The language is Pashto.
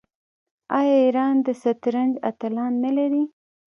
آیا ایران د شطرنج اتلان نلري؟